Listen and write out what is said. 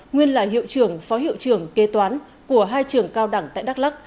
nguyên là hiệu trưởng phó hiệu trưởng kế toán của hai trường cao đẳng tại đắk lắc